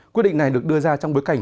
quyết định này được đưa ra trong bối cảnh